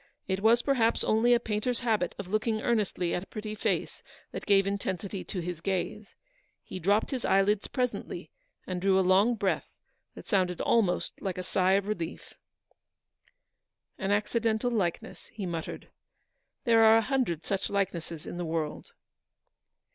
It was perhaps only a painter's habit of looking earnestly at a pretty face that gave intensity to his gaze. He dropped his eyelids presently, and drew a long breath, that sounded almost like a sigh of relief. "An accidental likeness," he muttered; "there are a hundred such likenesses in the world."